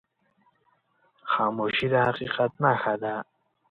خاموشي، د حقیقت نښه ده.